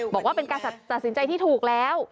บอกว่าเป็นการตัดสินใจที่ถูกแล้ว